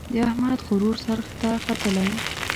د احمد غرور سر ته ختلی.